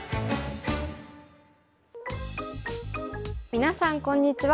皆さんこんにちは。